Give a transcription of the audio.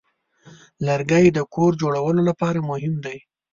لرګی د کور جوړولو لپاره مهم دی.